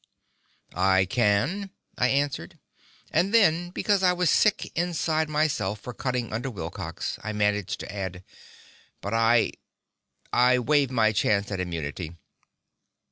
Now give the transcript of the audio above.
"I can," I answered. And then, because I was sick inside myself for cutting under Wilcox, I managed to add, "But I I waive my chance at immunity!"